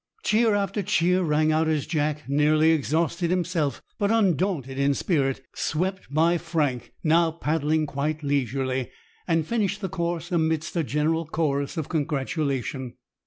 Cheer after cheer rang out as Jack, nearly exhausted himself, but undaunted in spirit, swept by Frank, now paddling quite leisurely, and finished the course amidst a general chorus of congratulation.